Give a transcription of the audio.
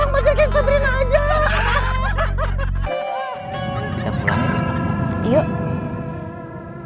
teman teman emang lebih penting dari akang